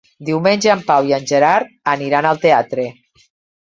Diumenge en Pau i en Gerard aniran al teatre.